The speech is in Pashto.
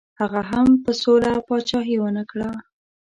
هغه هم په سوله پاچهي ونه کړه.